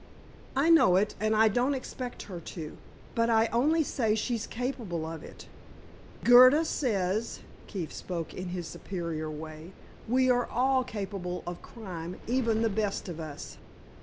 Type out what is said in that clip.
"I know it, and I don't expect her to. But I only say she's capable of it." "Goethe says—(Keefe spoke in his superior way)—'We are all capable of crime, even the best of us.